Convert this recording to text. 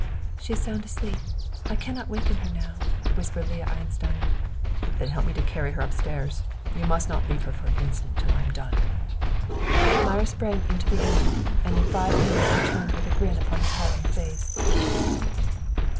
"She is sound asleep; I cannot waken her now," whispered Leah Einstein. "Then help me to carry her upstairs. You must not leave her for an instant till I am done." Meyer sprang into the room, and in five minutes returned with a grin upon his hardened face.